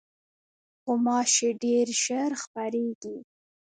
غوماشې ډېر ژر خپرېږي.